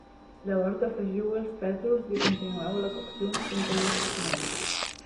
Llavors afegiu-hi els pèsols i continueu la cocció uns quinze minuts més.